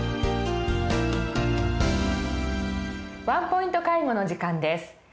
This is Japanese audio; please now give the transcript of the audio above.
「ワンポイント介護」の時間です。